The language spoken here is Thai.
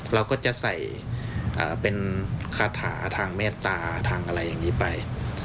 เราก็จะใส่เป็นคาถาทางเมตตาทางอะไรอย่างนี้ไป